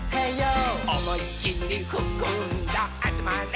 「おもいきりふくんだあつまれ」